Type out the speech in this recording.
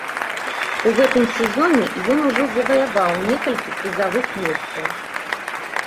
У гэтым сезоне ён ужо заваяваў некалькі прызавых месцаў.